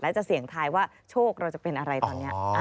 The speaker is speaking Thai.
แล้วจะเสี่ยงทายว่าโชคเราจะเป็นอะไรตอนนี้